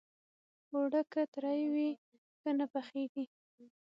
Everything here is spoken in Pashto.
اوړه که ترۍ وي، ښه نه پخېږي